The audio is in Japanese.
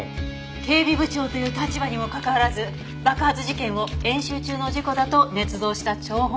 警備部長という立場にもかかわらず爆発事件を演習中の事故だとねつ造した張本人。